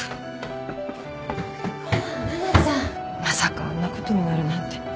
まさかあんなことになるなんて。